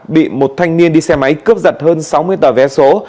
bị một thanh niên đi xe máy cướp giật hơn sáu mươi tờ vé số